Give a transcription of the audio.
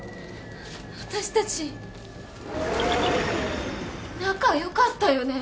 私たち仲良かったよね？